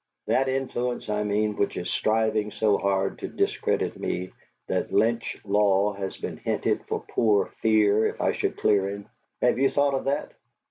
That influence, I mean, which is striving so hard to discredit me that lynch law has been hinted for poor Fear if I should clear him! Have you thought of that?